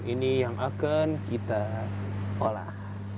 ini yang akan kita olah